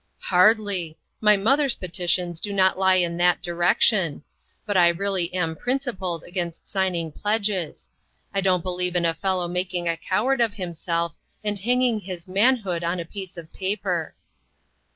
" Hardly ! my mother's petitions do not lie in that direction. But I really am prin* 262 INTERRUPTED. cipled against signing pledges. I don't be lieve in a fellow making a coward of him self and hanging his manhood on a piece of paper."